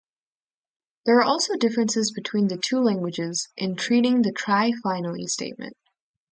There are also differences between the two languages in treating the try-finally statement.